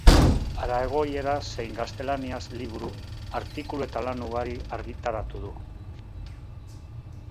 Aragoieraz zein gaztelaniaz liburu, artikulu eta lan ugari argitaratu du.